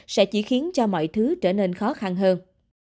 sẽ chỉ khiến cho mọi thứ trở nên khó khăn hơn